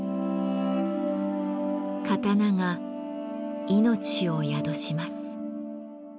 刀が命を宿します。